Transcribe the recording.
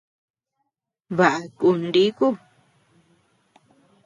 Baʼa kun niku.